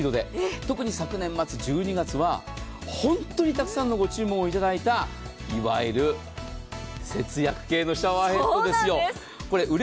特に昨年末１２月は本当に沢山のご注文をいただいたいわゆる節約系のシャワーヘッドですよ。